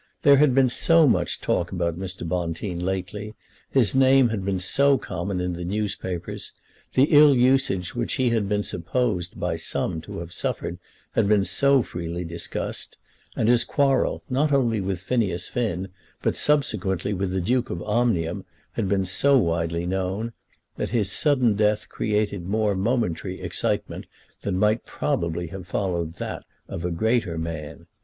There had been so much talk about Mr. Bonteen lately, his name had been so common in the newspapers, the ill usage which he had been supposed by some to have suffered had been so freely discussed, and his quarrel, not only with Phineas Finn, but subsequently with the Duke of Omnium, had been so widely known, that his sudden death created more momentary excitement than might probably have followed that of a greater man.